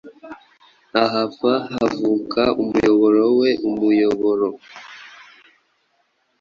Ahava havuka umuyoboro we Umuyoboro,